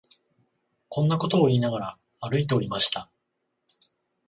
こんなことを言いながら、歩いておりました